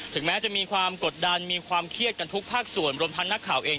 แม้จะมีความกดดันมีความเครียดกันทุกภาคส่วนรวมทั้งนักข่าวเอง